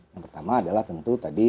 yang pertama adalah tentu tadi